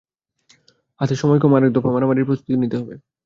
হাতে সময় কম, আরেকদফা মারামারির প্রস্তুতি নিতে হবে।